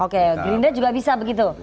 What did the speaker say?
oke gerindra juga bisa begitu